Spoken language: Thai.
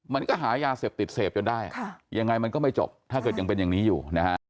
มันก็หายาเสพติดเสพจนได้ยังไงมันก็ไม่จบถ้าเกิดยังเป็นอย่างนี้อยู่นะฮะ